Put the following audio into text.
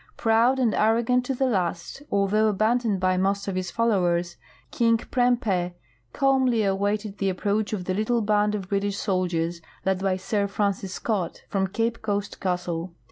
Proud and arro gant to the last, although abandoned b}^ most of his followers. King Prempeh calmly awaited the approach of the little band of British soldiers, led by Sir Francis Scott, from Cape Coast Castle.